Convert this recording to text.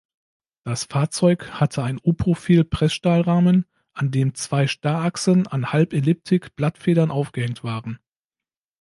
Das Fahrzeug hatte ein U-Profil-Pressstahlrahmen, an dem zwei Starrachsen an Halbelliptik-Blattfedern aufgehängt waren.